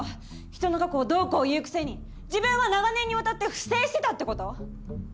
人の過去をどうこう言うくせに自分は長年にわたって不正してたって事？